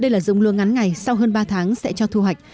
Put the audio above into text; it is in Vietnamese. đây là giống lúa ngắn ngày sau hơn ba tháng sẽ cho thu hoạch